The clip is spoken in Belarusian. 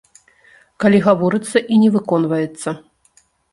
Калі гаворыцца і не выконваецца.